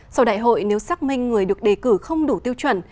sau đại hội nếu xác minh người được đề cử không đủ tiêu chuẩn